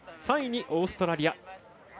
３位にオーストラリア。